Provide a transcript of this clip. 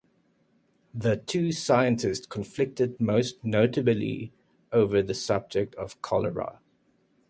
The two scientists conflicted most notably over the subject of cholera.